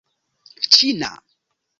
ĉina